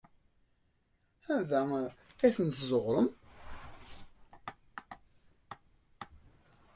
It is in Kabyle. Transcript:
Anda ay ten-tezzuɣrem?